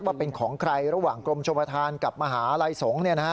ว่าเป็นของใครระหว่างกรมชมประธานกับมหาลัยสงฆ์